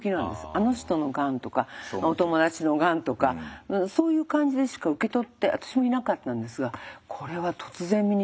あの人のがんとかお友達のがんとかそういう感じでしか受け取って私もいなかったんですがこれは突然身に降りかかります。